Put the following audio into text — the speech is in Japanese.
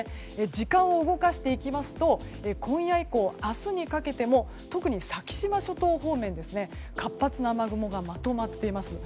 時間を動かしていきますと今夜以降明日にかけても特に先島諸島方面活発な雨雲がまとまっています。